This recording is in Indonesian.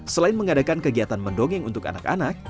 selain mengadakan kegiatan mendongeng untuk anak anak